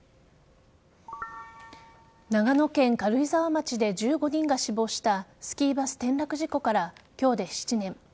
長野県軽井沢町で１５人が死亡したスキーバス転落事故から今日で７年。